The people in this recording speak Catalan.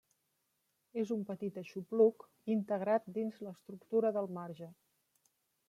És un petit aixopluc integrat dins l'estructura del marge.